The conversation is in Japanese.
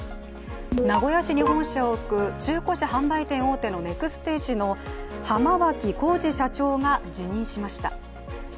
名古屋市に本社を置く中古車販売店大手のネクステージの浜脇浩次社長が辞任しました。